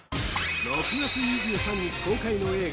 ６月２３日公開の映画